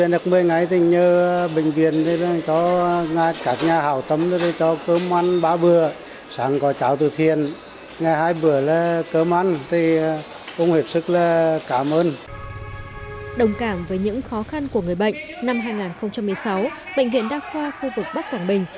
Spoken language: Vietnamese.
đồng cảm với những khó khăn của người bệnh năm hai nghìn một mươi sáu bệnh viện đa khoa khu vực bắc quảng bình